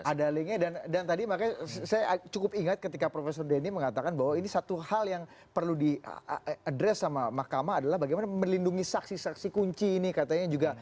ada linknya dan tadi makanya saya cukup ingat ketika profesor denny mengatakan bahwa ini satu hal yang perlu diadres sama mahkamah adalah bagaimana melindungi saksi saksi kunci ini katanya juga